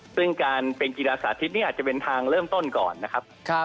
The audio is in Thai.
ซึ่งการเป็นกีฬาสาธิตนี่อาจจะเป็นทางเริ่มต้นก่อนนะครับ